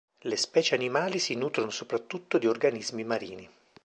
Le specie animali si nutrono soprattutto di organismi marini.